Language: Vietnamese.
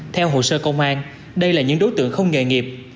theo hồ sơ công an đây là những đối tượng không nghề nghiệp